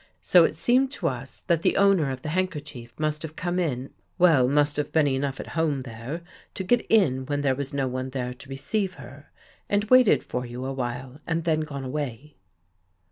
So it seemed to us that the owner of the handkerchief must have icome in. ... Well, must have been enough at home there to get in when there was no one there to receive her, and waited for you a while and then gone away."